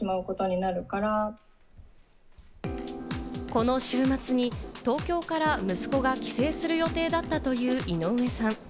この週末に東京から息子が帰省する予定だったという井上さん。